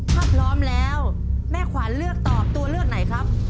ถ้าพร้อมแล้วแม่ขวัญเลือกตอบตัวเลือกไหนครับ